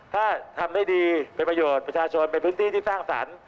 ถ้าทำได้ดีเป็นประโยชน์ประชาชนเป็นพื้นที่ที่สร้างสรรค์